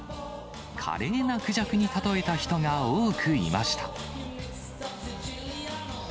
華麗なクジャクに例えた人が多くいました。